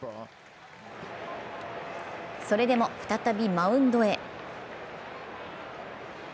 それでも再びマウンドへ。